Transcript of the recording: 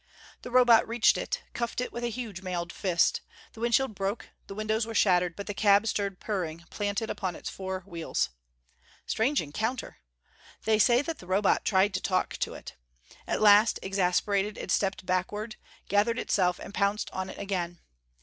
The Robot reached it; cuffed it with a huge mailed fist. The windshield broke; the windows were shattered; but the cab stood purring, planted upon its four wheels. Strange encounter! They say that the Robot tried to talk to it. At last, exasperated, it stepped backward, gathered itself and pounced on it again.